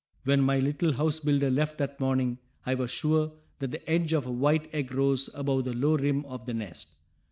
When my little house builder left that morning I was sure that the edge of a white egg rose above the low rim of the nest.